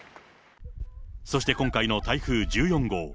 そして今回の台風１４号。